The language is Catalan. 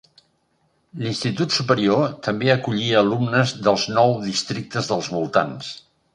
L'institut superior també acollia alumnes dels nou districtes dels voltants.